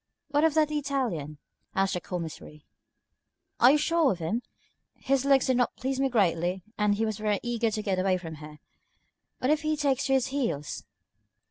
"What of that Italian?" asked the Commissary. "Are you sure of him? His looks did not please me greatly, and he was very eager to get away from here. What if he takes to his heels?"